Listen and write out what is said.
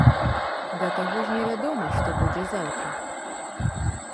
Да таго ж невядома, што будзе заўтра.